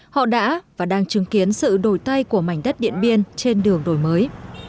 họ đã và đang chứng kiến sự đổi tay của mảnh đất điện biên trên đường đổi mới